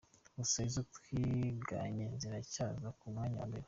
Gusa izo twiganye ziracyaza ku mwanya wa mbere".